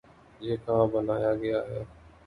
یہ کہاں بنایا گیا ہے؟